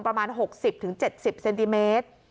ประมาณ๖๐๗๐เซนติเมตร